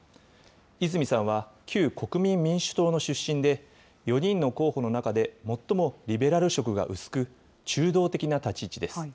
泉さんは旧国民民主党の出身で、４人の候補の中で最もリベラル色が薄く、中道的な立ち位置です。